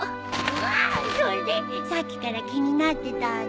わっそれさっきから気になってたんだ。